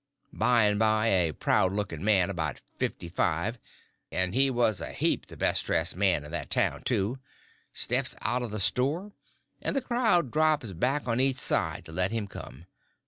By and by a proud looking man about fifty five—and he was a heap the best dressed man in that town, too—steps out of the store, and the crowd drops back on each side to let him come.